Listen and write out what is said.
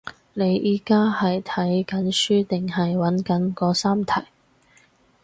你而家係睇緊書定係揾緊嗰三題？